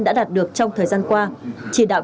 đã đạt được trong thời gian qua chỉ đạo